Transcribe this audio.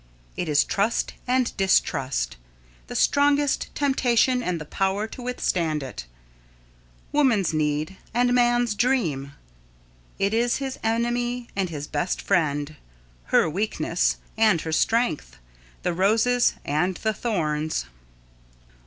It is trust and distrust, the strongest temptation and the power to withstand it; woman's need and man's dream. It is his enemy and his best friend, her weakness and her strength; the roses and the thorns.